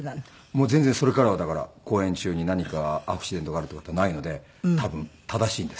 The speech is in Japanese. もう全然それからはだから公演中に何かアクシデントがあるっていう事はないので多分正しいんです。